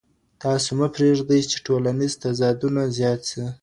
تاسو مه پرېږدئ چې ټولنیز تضادونه زیات سي.